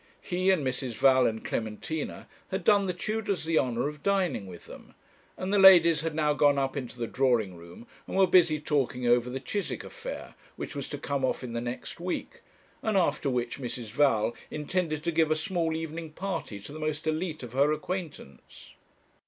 He and Mrs. Val and Clementina had done the Tudors the honour of dining with them; and the ladies had now gone up into the drawing room, and were busy talking over the Chiswick affair, which was to come off in the next week, and after which Mrs. Val intended to give a small evening party to the most élite of her acquaintance.